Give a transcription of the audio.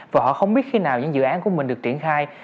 và họ không biết khi nào những dự án của mình được triển khai